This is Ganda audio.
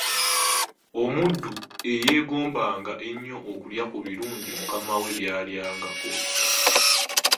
Omuddu eyeegombanga ennyo okulya ku birungi mukama we by’alyangako.